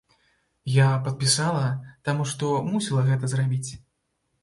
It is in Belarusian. Я падпісала, таму што мусіла гэта зрабіць.